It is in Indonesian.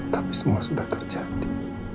tapi semua sudah terjadi